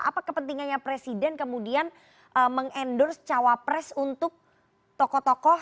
apa kepentingannya presiden kemudian meng endorse cawa presiden untuk tokoh tokoh